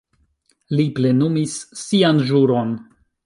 Li plenumis sian ĵuron.